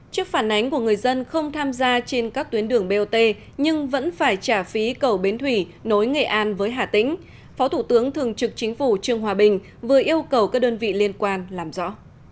trước phản ánh của người dân không tham gia trên các tuyến đường bot nhưng vẫn phải trả phí cầu bến thủy nối nghệ an với hà tĩnh phó thủ tướng thường trực chính phủ trương hòa bình vừa yêu cầu các đơn vị liên quan làm rõ